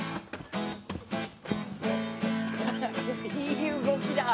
いい動きだ。